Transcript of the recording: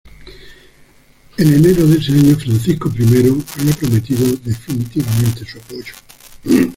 En enero de ese año Francisco I había prometido definitivamente su apoyo.